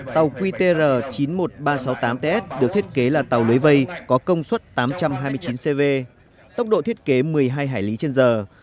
tàu qtr chín mươi một nghìn ba trăm sáu mươi tám ts được thiết kế là tàu lưới vây có công suất tám trăm hai mươi chín cv tốc độ thiết kế một mươi hai hải lý trên giờ